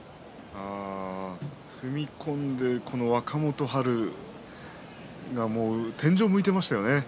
踏み込んで若元春が天井を向いていましたね。